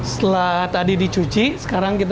setelah tadi dicuci sekarang kita